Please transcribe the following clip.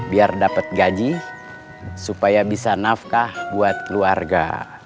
biar dapat gaji supaya bisa nafkah buat keluarga